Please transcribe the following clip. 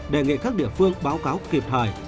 đề nghị các địa phương báo cáo kịp thời